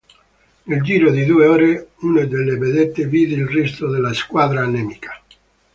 Nel giro di due ore, una delle vedette vide il resto della squadra nemica.